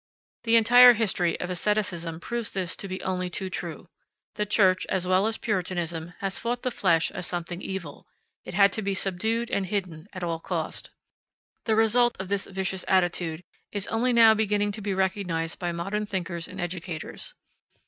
The entire history of asceticism proves this to be only too true. The Church, as well as Puritanism, has fought the flesh as something evil; it had to be subdued and hidden at all cost. The result of this vicious attitude is only now beginning to be recognized by modern thinkers and educators.